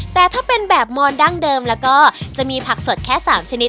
แต่ถ้าเป็นแบบมอนดั้งเดิมแล้วก็จะมีผักสดแค่๓ชนิด